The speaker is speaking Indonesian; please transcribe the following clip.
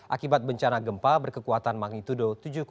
akibat bencana gempa berkekuatan magnitudo tujuh empat